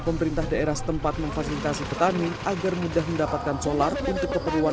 pemerintah daerah setempat memfasilitasi petani agar mudah mendapatkan solar untuk keperluan